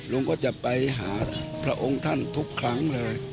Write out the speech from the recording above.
ลุงก็จะไปหาพระองค์ท่านทุกครั้งเลย